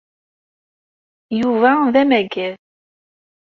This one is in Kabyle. Yuba d amagad.